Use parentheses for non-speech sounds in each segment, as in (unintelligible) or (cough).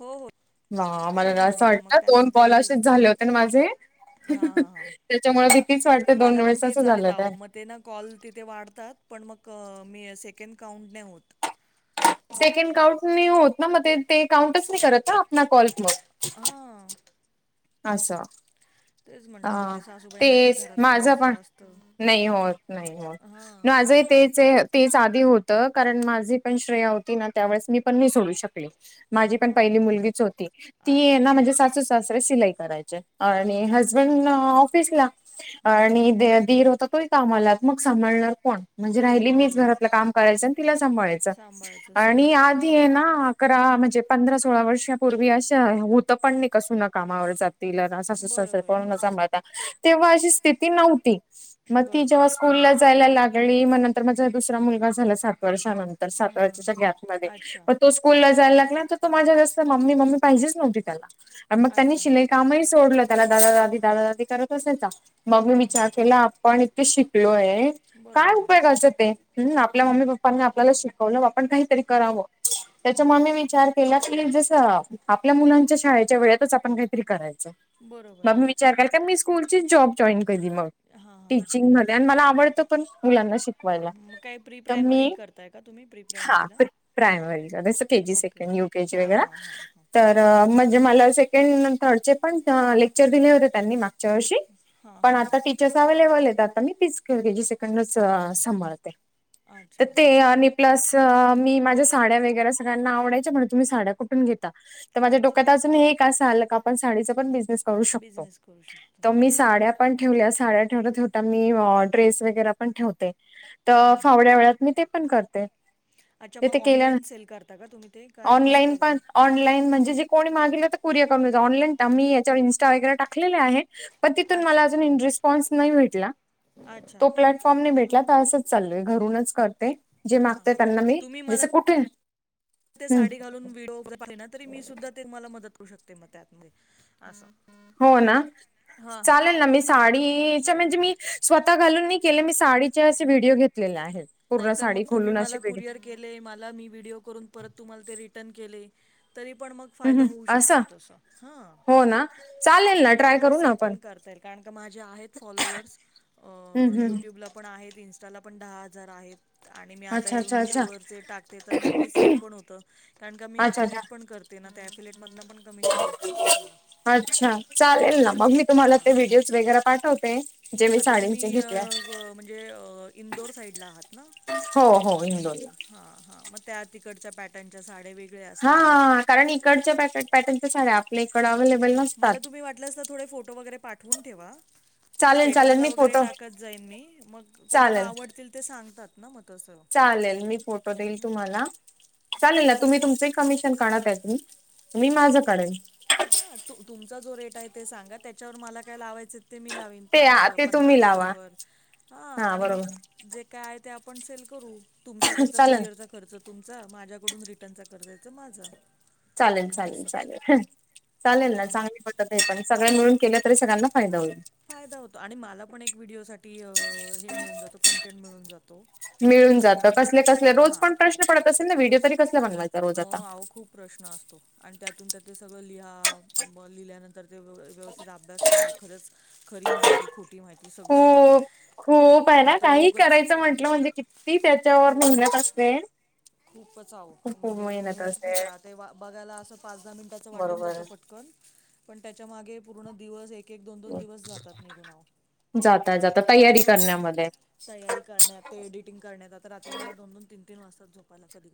हो हो. हं तेच मला असं म्हटलं मग वाटत, त्यांचं दोन ते काॅल असेच हां झाले होते न माझे. हां हां त्यांच्यामुळे भीतीच वाटते, दोन मला पण वेळेस तेच असं आलेत झालं ते. आहो मग ते ना कॉल तिथे वाढतात पण मग, मे सेकंड काउंट नाही होतं. सेकंड काउंट नयी होतं ना, मग ते ते काउंटच नाही करत ना आपला कॉल्स मग. आ.. आसं. अ.. मग ते सासूबाईंना काही तेच माझ घरातलं असं पण, असतं. नाही होत नाही होत. हां आज ही तेच ये. तेच आधी होत कारण माझी पण श्रेया होती ना, त्यावेळेस मी पण नाही सोडू शकले. माझी पण पहिली हां मुलगीच होती, अच्छा ती ना म्हणजे सासू सासरा सिलाई. करायचे. आणि हजबंड ऑफिसला हां आणि दीर होता तो तोही कामाला मग सांभाळणार कोण? म्हणजे राहिली कोण मीच बरोबर घरातल कामरायचं, आणि तिला सांभाळाय च सांभाळायचं सेम आणि आज. तियेना अकरा म्हणजे, पंधरा सोळा वर्षांपूर्वी अशा होतं कणी सूना कामावर जातं. तिला ना सासू-सासरे बरोबर आहे पूर्ण बरोबर सांभाळता, तेव्हा अशी स्थिती नव्हती. आहे मग ती बरोबर जेव्हा आहे स्कूला जायला लाग लागली. मग नंतर माझा दुसरा मुलगा झाला. सात वर्षानंतर सात हम्म हम्म. वर्षाच्या गॅप मध्ये अच्छा पण तो. स्कूला जायला लागला तर तो, माझ्या जास्त मम्मी पाहिजेच नव्हती त्याला मग त्यांनी अच्छा शिलाई. काम ही सोडलं, त्याला दादा दादी दादा दादी करत असायचा. मग मी हां हां विचार हां केला आपण इतके शिकलोय काय बरोबर आहे. उपयोगाच ते हू आपल्या मम्मी पप्पानी आपल्याला शिकवलं आपण काहीतरी करावं हम्म त्याच्यामुळे मी विचार केला की जस आपल्या मुलांच्या शाळेच्या वेळेतच आपण काहीतरी करायचं बरोबर हाय त्या करता मी स्कूलची जॉब जॉईन केली मग हां हां टीचींग मध्ये आणि मला आवडतं पण मुलांना शिक वायला मग काय प्री तर प्रायमरी मी करताय का तुम्ही प्री हा प्रायमरीला? प्रायमरी जस KG okay second U K G हां वैगेरा हां हां हां तर म्हणजे मला सेकंड थर्डचे पण लेक्चर दिले होते त्यांनी मा गच्या वर्षी हां पण हां हां आता टी चर्स अवैलेबल आहेत आता मी तीच के जी सेकंडच सांभाळते तर अच्छा. ते आणि प्लस मी माझ्या साड्या वगैरे सगळ्यांना आवडायच्या म्हणे तुम्ही कुठून घेता तर माझ्या अच्छा. डोक्यात अजून हे एक असं आलं का आपण साडीचा पण बिज नेस करू शकतो बिझनेस करू शकतो तर हां मी साड्या पण ठेवल्या साड्या ठेवता ठेवता मी ड्रेस वगैरा पण ठेवते हं तर हं फावल्या वेळात मी ते पण करते अच्छा ते मग ते केल्या ऑनलाइन सेल करता का तुम्ही ते काय कसं करता ऑनलाइन म्हणजे जे कुणी मागितलं तर कुरियर करून देतो ऑनलाईन मी याच्यावर इन्स्टा वर वगैरे टाकलेलं आहे पण तिथून अच्छा मला अजूनही रिस्पॉन्स नाही भेटला अच्छा तो प्लॅट फॉर्म नाही भेटला तर असंच चाललंय घरूनच करते जे हा मागते हा त्यांना मी तुम्ही मला जस कुठे ते हं, साडी घालून व्हिडिओ पाठवलेत तरी मी सुद्धा ते तुम्हाला मदत करू शकते म त्यात मध्ये असं हो ना हां हां चालेल ना मी साडीचे म्हणजे मी स्वतः घालून नाही केले मी साडीचे असे व्हिडओ घेतलेले आहेत पूर्ण नाहीतर मग साडी तुम्ही खोलून मला अशी व्हिडिओ कुरिअर केले मला मी व्हिडिओ करून परत तुम्हाला ते रिटर्न केले तरी पण मग हं, फायदा हं. होऊ असं शकतो तसा हा हो ना चालेल ना ट्राय करू ना तसं आपण पण करता येईल कारण का माझे आहेत फॉलोवर्स अ हम्म हम् युट्युब ला पण आहेत इन्स्टाला पण दहा हजार आहेत आणि मी आता अच्छा हे अच्छा अच्छा मिशोवरचे टाकते तर मग ते सेल पण होतं कारण का मी अच्छा अच्छा अफिलेट पण करते ना त्या एफिलेट मधन पण कमिशन असतं ना आपल्याला अच्छा हां चालेल ना मग मी तुम्हाला हां ते व्हिडिओज वगैरा पाठवते जे मी साडींचे घेतले आहे हो म्हणजे इंदोर साईडला आहात ना हो हो इंदोरला हा हा म त्या तिकडचा पॅक त्यांच्या साड्या वेगळ्या असतील जरा. हा कारण इकडच्या पॅ पॅटर्नच्या साड्या आपल्या इकडं अवेलेबल मला नसतात तुम्ही वाटल्यास तर थोडे फोटो वगैरे पाठवून ठेवा चालेल चालेल स्टेटसला मी वगैरे फोटो टाकत जाईन मी मग कोणाला चालेल आवडतील ते सांगतात ना म तसं चालेल मी फोटो देईल तुम्हाला चालेल ना तुम्ही तुमचंही कमिशन काढा त्यातून मी माझं काढेन हा त तुमचा जो रेट आहे ते सांगा त्याच्यावर मला काय लावायचं ते मी लावीन. ते पाच, ते तुम्ही पन्नास, लावा शंभर हा आणि मग जे काय आहे ते आपण सेल करू तुमच्याकडच चालेल कुरिअरचा खर्च तुमचा माझ्याकडून रिटर्नचा खर्च आहे माझा. चालेल चालेल असं. चालेल चालेल ना हां. चांगली ती पण सगळ्या मिळून केलं तर सगळ्यांना फायदा होईल. फायदा होतो आणि मला पण एक व्हिडिओ साठी हे मिळून जातो कंटेंट मिळून जातो. मिळून जातं कसले कसले रोज हां. पण प्रश्न पडत असेल ना व्हिडिओ तरी कसले बनवायचे. म आव खूप प्रश्न असतो आणि त्यातून त्या ते सगळं लिहा ब लिहिल्यानंतर ते व व्यवस्थित अभ्यास करा खरच खरी माहिती खोटी माहिती सगळं खूप खूप आहे हे ना तर काही उगच करायचं म्हटलं म्हणजे त्याच्यावर किती मेहनत असते ना. खूपच आह म्हणजे मेहनत खूप आहे ते बघायला असं पाच दहा मिनिटाचं वाटून बरोबर जातं पण कन पण त्याच्या मागे पूर्ण दिवस एक एक एक दोन दोन दिवस जातात निघून आव जाता जाता तयारी असं हाय. करण्यामध्ये तयारी करण्यात ते एडिटिंग करण्यात आता रात्री मला दोन दोन तीन तीन वाजतात झोपा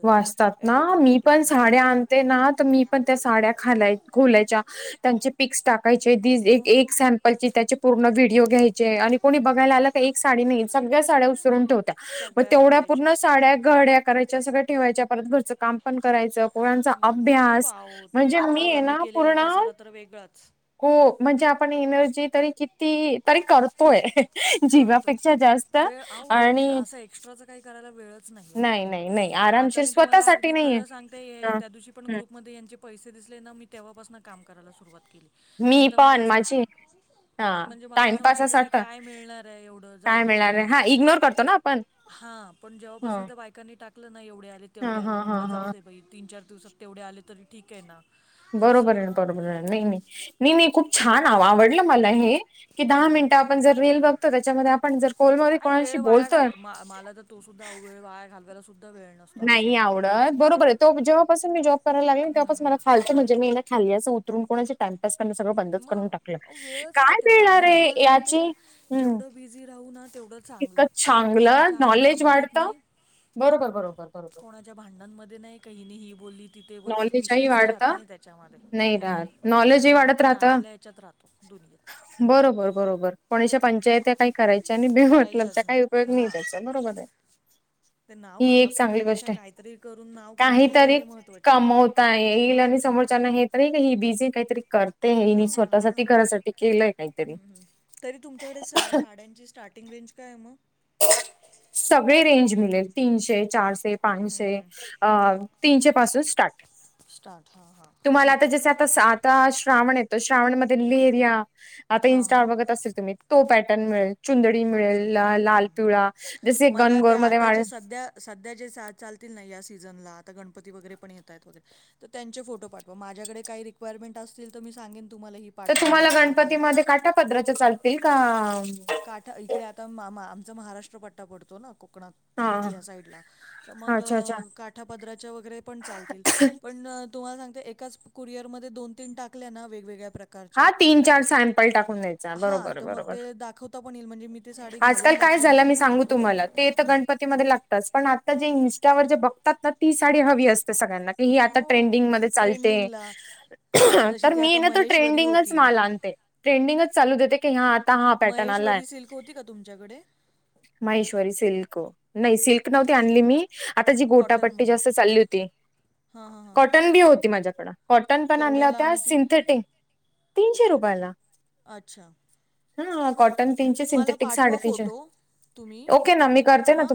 वाचतात ना मी पण का साड्या आणते ना आणि ते तर त्या साड्या घालाय खोलायच्या त्यांचे पिक्स टाकायचे मग एक सॅम्पल चे त्याचे पूर्ण व्हिडीिओ घ्यायचे आणि कोणी बघायला आलं का एक साडी नाही सगळ्या साड्या उसरून ठेवत्या. मग सगळ्या तेवढ्या काढायच्या सगळ्या साड्या घड्या घालायच्या ठेवायच्या आणि मग घरचं काम पण करायचं. पोरांचा मग खूप अभ्यास आव होतो म्हणजे त्यात मी आहे पोरांनी ना केलेला पूर्ण पसारा तर वेगळाच हो म्हणजे आपण एनर्जी तरी किती तरी करतोय. जीवापेक्षा जास्त करतोय वेळ आवो आणि म्हणजे एक्सट्रा च असं काय करायला वेळच नाहीय. नाही नाही नाही आता आरामशीर मी तुम्हाला स्वतःसाठी अगदी नाहीये खरं सांगतीये हे येतात. दिवशी पण ह ग्रुपमध्ये यांचे पैसे दिसले ना मी तेव्हापासून काम करायला सुरुवात केली. नाही मी तर मला पण असं वा माझी हा म्हणजे मला असं वाटायचं की टाइमपासासाठी काय मिळणार. आहे एवढं जाऊ काय दे मिळणार आहे हा इग्नोर करतो ना आपण हा पण हा. जेव्हापासून त्या बायकांनी टाकलं ना एवढे आले हा तेवढे आले, हा हा म्हटलं जाऊ हा दे बाई तीन चार दिवसात तेवढे आले तरी ठीक आहे ना. असं. बरोबर आहे बरोबर आहे ना नाही नाही. नाही नाही खूप छान आवडलं मला हे की दहा हं, हं. मिनिट आपण जर रील बघ त्याच्यामध्ये आपण जर फोनवर कोणाशी बोलतोय हा मला तर तो सुद्धा वेळ घालवायला सुद्धा वेळ नसतो असं नाही होऊन जातं. आवडत बरोबर आहे तो जेव्हापास मी जॉब कराय लागेल तेव्हापास मला खालत म्हणजे मी खाली असत. कोणाचा टाईमपास करणं बंद करून मग टाकलं अहो वेळच काय नाही तेवढा मिळणार आणि आहे तुम्हाला सांगते का याची हम्म जेवढं बिझी राहू ना तेवढं इतकं चांगलंय चांगलं कोणाच्या आद्या नॉलेज मध्ये वाढतं नाही. बरोबर बरोबर बरोबर. कुणाच्या भांडणामध्ये नाही ही बोलली तिथे नॉलेजही विषयच राहत वाढता नाही त्याच्या नाही राहत आणि नॉलेजही आपण वाढत राहतं आपल्या याच्यात राहतो दुनियात हा बरोबर बरोबर कुणाच्या पंचायती काय करायचे आणि बे मतलबचा करायच्याच काही उपयोग नाहीत. नाय हां. त्याचा बरोबर हाय. ते नाव खराब करण्यापेक्षा काहीतरी करून नाव कमवतंय काहीतरी हे महत्त्वाच. कमवता येईल आणि समोरच्याला कळल की ही बिझी आहे काहीतरी करत. हा हा काहीतरी तरी तुमच्याकडे साड्यांची स्टार्ट टिंग रेंज काय हाय मग? सगळी रेंज मिळेल तीनशे, चारशे. हम्म पाचशे हम्म तीनशे पासून स्टार्ट स्टार्ट हां हां तुम्हाला ते ठीक आहे आता आ आता श्रावण येतोय श्रावणमध्ये लेहरिया आता हां हां इन्स्टावर बघत असेल तुम्ही? तो पॅटर्न मिळेल चुंदडी अच्छा मिळेल लाल, हम्म. पिवळा जसे मला गनगोर त्या मध्ये आता जे माणसं सध्या सध्या जे चा चालतील या सीजनला आता गणपती वगैरे पण येत आहेत वगैरे. तर त्यांचे फोटो पाठवा माझ्याकडे काही रिक्वायरमेंट असतील तर मी सांगेन तुम्हाला ते पाठवून तुम्हाला द्या किंवा काय गणपतीमध्ये काटा पद्राचे चालतील का काठा इकडे आता मा मा आमचा महाराष्ट्र पट्टा पडतो ना कोकणात. हा या साईडला तर मग अच्छा अच्छा काठापदराच्या वगैरे पण चालतील. पण तुम्हाला सांगते एकाच कुरिअर मध्ये दोन, तीन टाकल्या ना वेगवेगळ्या प्रकार हा तीन चार प्रकारच्या सॅम्पल टाकून द्यायचा हा बरोबर तर मग बरोबर ते दा खवता येईल म्हणजे मी ती साडी आजकाल घालून काय दाखवेन. झालं मी सांगू तुम्हाला ते तर हं. गणपतीमध्ये लागतात पण आता जे इन्स्टावर जे बघतात ना ती साडी हवी असत ते सगळ्यांना की ही आता हो ट्रेडिंग मध्ये चालते ट्रेंडिंगला हां जशी तर ती मी आहे आता ना महेश्वरी ट्रेंडिंगच होती माल आणते ट्रेंडिंगच चालू देते की हा आता हा पॅटर्न आलाय. महेश्वरी सिल्क होती का तुमच्याकडे महेश्वरी सिल्क नाही सिल्क नव्हती आणली मी. आता जी गोटापट्टी कॉटनमध्ये जास्त चालली होती हां हां हां कॉटन बी होती माझ्याकडं. कॉटन पण आणल्या केवढ्याला होत्या आणि ती सिंथेटिक तीनशे रुपयाला. अच्छा. हा कॉटन तीनशे मला सिंथेटिक साडे पाठवा तीनशे. फोटो तुम्ही हा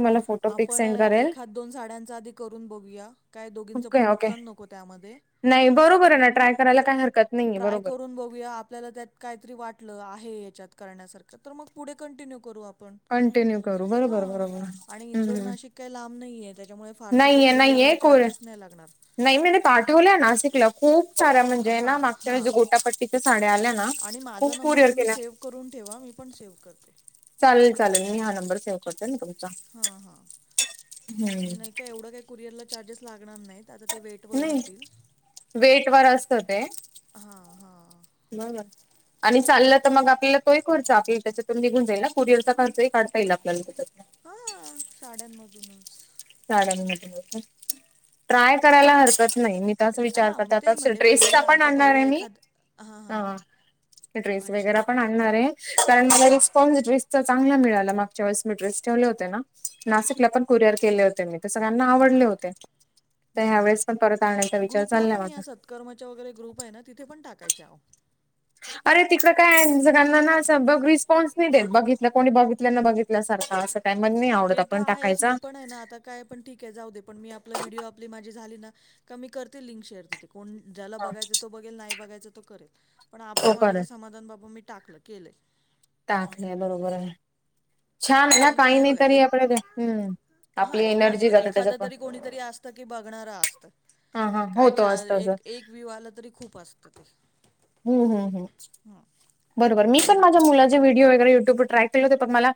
पिक आपण सेंड करेल एखाद दोन साड्यांच आधी करून बघूया. काय दोघींचं पण ओके ओके नुकसान नको त्यामध्ये. नाही बरोबर आहे ना ट्राय हां करायला काही हरकत नाही. ट्राय करून बघूया आपल्याला त्यात कायतरी वाटलं आहे याच्यात करण्यासारखं का तर मग पुढे कंटिन्यू करू आप आपण कंटिन्यू करू बरोबर हा बरोबर आणि इंदोर हम्म नाशिक काही लांब नाहीये त्याच्यामुळे फारसे काही नाहीये कुरिअरला नाहीये कोर चार्जेस नाही लागणार. नाही मी पाठवल्या नाशिकला खूप सारा म्हणजे हां ना मागच्या वेळी हां जो गोटापट्टी त्या साड्या आल्या ना आणि माझा खूप नंबर कुरियर तुम्ही केल्या सेव्ह करून ठेवा मी पण सेव करते. चालेल चालेल मी हा नंबर सेव्ह करते ना तुमचा हम्म. काय एवढं काय कुरअर ला चार्जेस लागणार नाहीत. ते आता ते वेट वर नाही राहतील. वेट वर हा हा. मग, आणि चाललं तर मग आपल्याला तोही खर्च आपली त्याच्यातून निघून जाईल कुरिअरचा खर्चही काढता येईल आपल्याला त्याच्यात हा साड्यांमधूनच. (unintelligible) ट्राय पण करायला हरकत नाही मी तच विचार हां करते मी आता तेच म्हणते पहिले ड्रेसचा पण आता आणणार पहिलं आहे मी. एखाद हां हां हां हा ड्रेस अच्छा वगैेरा पण आणू-‍- कारण मला रिस्पॉन्स ड्रेसचा चांगला मिळाला मागच्या वेळेस मी ड्रेस ठेवले होते ना. अच्छा नाशिकला पण कुरिअर केले होते मी. ते सगळ्यांना आवडले अच्छा होते तर ह्या वेळेस पण परत आणण्यायचा विचार चाललाय माझा. कर्मच्या वगैरे ग्रुप आहे ना तिथे पण टाकायच्या अहो. अरे तिकड काय सगळ्यांना अस ब रिस्पॉन्स नाही देत, बघितलं कोणी बघितलं ना बघितल्यासारखं असं. काय मण मी आवडत आपण टाकायचा. नाही, नंतर काय पण ठीक आहे जाऊ दे पण मी आपला व्हिडिओ आपली माझी झाली ना का मी करते लिंक शेअर दथे कोण ज्याला बघायच तो बघेल नाही बघायच तो करेल पण हो आपल्या कर मनाचं समाधान बाबा मी टाकल. केलं. टाकलंय बरोबर. छान काही नाही तरी आपडे हम्म. (inaudible) हा एनर्जी एखादं, जाते एखादं त्याच्यात तरी कोणी असतं की बघणार असतं. हां हां काय होतो चा असतं असं. एक, एक व्यू आला तरी खूप असतं तेला. हम्म हम्म हम्म. हा. बरोबर मी पण माझ्या मुलाचे व्हिडिओ वगैरे युट्यूबवर ट्राय केले होते पण मला.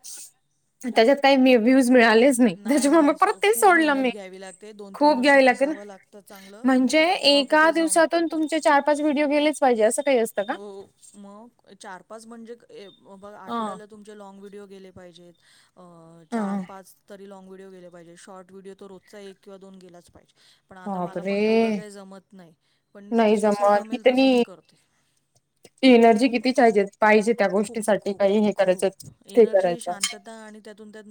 त्यांच्यात काही व्ह्यूज मिळालेस, नाही, त्यांच्यामुळे नाही स परत ते खूप सोडलं मी मेहनत घ्यावी लागते दोन तीन खूप वर्ष घ्यायला ते ना कसावं लागतं चांगलं म्हणजे, तेव्हा एका कुठे जाऊन दिवसातून तुमचे चार पाच व्हिडिओ गेलेच पाहिजे असं काही असत. हो मग चार पाच म्हणजे बघ अ. आठवड्याला तुमचे लाँग व्हिडिओ गेले पाहिजेत, चार हं पाच तरी लाँग व्हिडीओ गेले पाहिजेत शॉर्ट व्हिडिओ रोजचा एक तरी दोन गेलाच पाहिजे. पण आता मला पण एवढं बापरे! काही जमत नाही, नाही जसं जमत जमेल तसं मी कितनी करते. एनर्जी किती हिजे पाहिजे त्या खूप, गोष्टीसाठी खूप, काही हे करायचं खूप ते एनर्जी, करायचं. शांतता आणि त्यातून त्या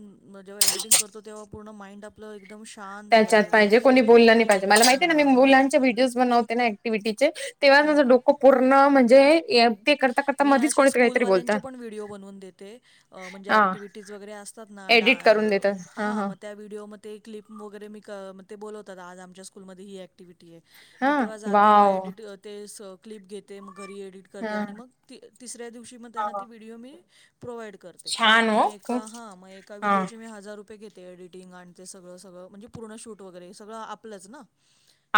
जेव्हा एडिटिंग करतो तेव्हा पूर्ण माइंड आपला एकदम शांत. त्याच्यात पाहिजे कोणी बोलला नाही पाहिजे, मला माहिती आहे ना हां, मी हां, मुलांचे व्हिडिओज बनवते ना. एक्टिव्हटीचे तेव्हा माझं हां. डोकं पूर्ण म्हणजे, ते करता करता मी मधीच असे कोणीतरी काहीतरी बोलत स्कूलवाल्यांचे पण व्हिडिओ बनवून देते. म्हणजे हा एक्टिव्हटीज वगैरे असतात ना डा एडिट करून देतात हा म त्या व्हिडिओमध्ये क्लिप वगैरे मी क ते बोलतात आज आमच्या स्कूलमध्ये ही ऍक्ट्ट ॲक्टिव्हटी आहे. हा मग तेव्हा जाते मग वाव एडिट ते स क्लिप घेते मग घरी एडिट करते हा आणि मग त तिसऱ्या दिवशी मग त्यांना ती व्हिडिओ मी प्रोव्हाइड करते. करते. छान म हो एका खूप ह मग एका हा व्हिडिओचे हजार रुपये रूपये घेते. एडिटिंग आणि ते सगळं सगळं म्हणजे पूर्ण शूट वगैरे सगळं आपलंच ना.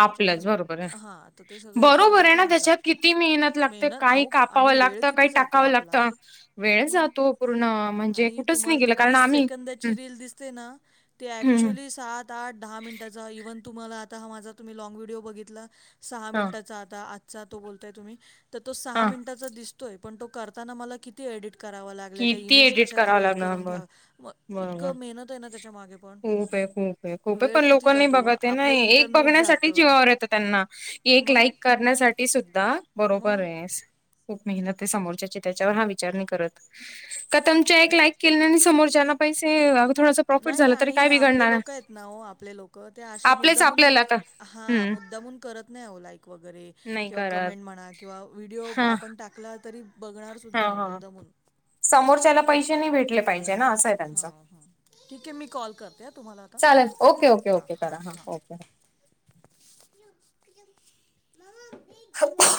त्यांच्यामुळे आपलंच मग बरोबर आहे हा तर ते सगळं एका बरोबर आहे व्हिडिओचे ना हजार. त्याच्यात किती मेहनत. मेहनत काही अहो कापावं आणि वेळ लागत काही किती जातो टाकावं आपला. लागतं वेळ मग जातो पूर्ण म्हणजे आणि कुठंच नाही तुम्हाला ती गेला. तीस सेकंदची रील दिसते ना ते हम्म ऍक्चुली सात आता दहा मिनटाचा इव्हन तुम्हाला आता हा माझ तुम्ही लॉग व्हिडिओ बघला सहा हा मिनटाचा. आता आजचा तो बोलतोय तुम्ही तो सहा हा मिनिटांचा दिसतोय पण तो करताना मला किती एडिट. करावा लागलाय त्या किती इमेज एडिट तश करावं क्रिएट लागलं करून बर घ्या बरोबर इतका मेहनत आहे ना त्याच्या मागे पण. खूप आहे खूप आहे खूप आहे वेळ पण लोक कुती नाही जातो बघत आहे ना आपलं एक इंटरनेट जात बघण्यासाठी मग. ण्यासाठी सुद्धा बरोबर मग आहे, खूप मेहनत समोरच्याची त्याच्यावर हा विचार नाही करत. का तुमच्या एक लाईक केल्याने समोरच्या ना पैसे येता नाही आणि हे आपले लोक आहेत ना हो आपले लोक ते असे आपलेच मुद्दामून. आपल्याला तर हा हम्म मुद्दामून करत नाही अहो लाईक वगैरे नाही किंवा करत कमेंट म्हणा किंवा व्हिडिओ हा आपण टाक टाकला तरी बघणार हा सुद्धा नाही हा मुद्दामून. समोरच्याला असं पैसे नाही भेटले पाहिजे ना असंय त्यांचं. हां हां ठीक आहे मी कॉल करते हां तुम्हाला आता चालेल ओके ओके हां ओके हां करा हा हां ओके. (unintelligible) (unintelligible)